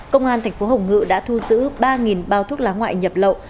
công an thành phố hồng ngự đã thu giữ ba bao thuốc lá ngoại nhập lậu